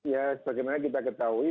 ya bagaimana kita ketahui